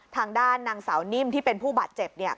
ทางด้านนางสาวนิ่มที่เป็นผู้บาดเจ็บเนี่ย